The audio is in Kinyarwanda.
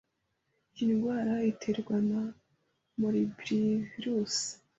iyi ndwara iterwa na moribilivirusi